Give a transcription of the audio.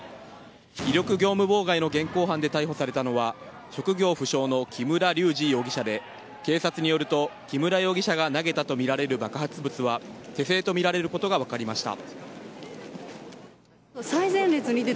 威力業務妨害の現行犯で逮捕されたのは職業不詳の木村隆二容疑者で警察によると、木村容疑者が投げたとみられる爆発物は手製とみられることが分かりました。